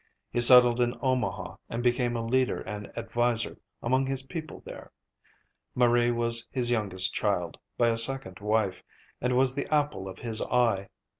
He settled in Omaha and became a leader and adviser among his people there. Marie was his youngest child, by a second wife, and was the apple of his eye.